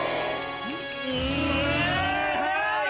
はい。